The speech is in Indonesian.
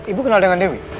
ibu kenal dengan dewi